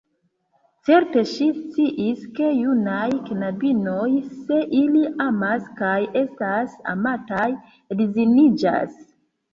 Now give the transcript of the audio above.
Certe, ŝi sciis; ke junaj knabinoj, se ili amas kaj estas amataj, edziniĝas.